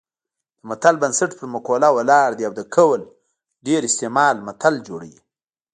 د متل بنسټ پر مقوله ولاړ دی او د قول ډېر استعمال متل جوړوي